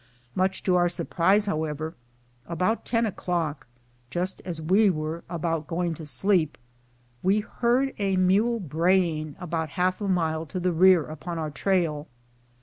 Much to our surprise, however, about ten o'clock, just as we were about going to sleep, we heard a mule braying about half a mile to the rear upon our trail.